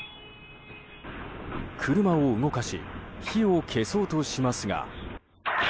車を動かし火を消そうとしますが。